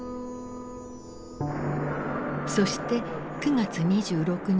そして９月２６日。